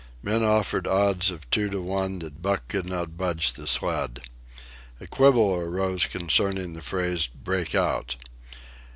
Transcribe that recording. Men offered odds of two to one that Buck could not budge the sled. A quibble arose concerning the phrase "break out."